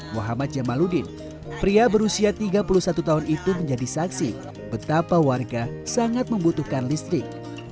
muhammad jamaludin pria berusia tiga puluh satu tahun itu menjadi saksi betapa warga sangat membutuhkan listrik